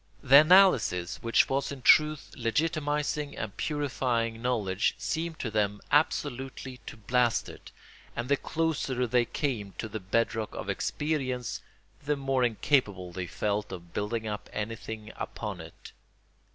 The analysis which was in truth legitimising and purifying knowledge seemed to them absolutely to blast it, and the closer they came to the bed rock of experience the more incapable they felt of building up anything upon it.